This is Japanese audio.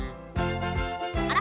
あら？